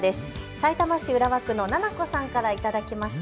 さいたま市浦和区のななこさんから頂きました。